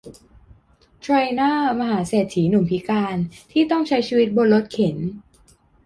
เทรย์เนอร์ มหาเศรษฐีหนุ่มพิการที่ต้องใช้ชีวิตบนรถเข็น